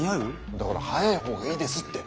だから早い方がいいですって。